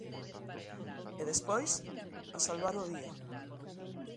E despois, a salvar o día.